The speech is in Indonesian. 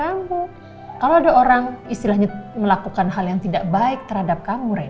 apalagi masalahnya dibawa sampai udah mau tidur